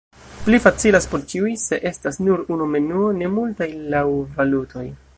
Pli facilas por ĉiuj, se estas nur unu menuo, ne multaj laŭ valutoj.